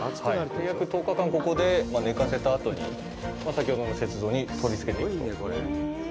約１０日間、ここで寝かせたあとに先ほどの雪像に取り付けていくと。